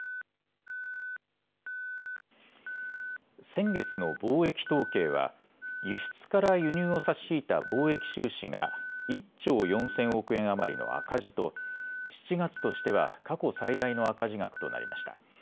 先月の貿易統計は輸出から輸入を差し引いた貿易収支が１兆４０００億円余りの赤字と７月としては過去最大の赤字額となりました。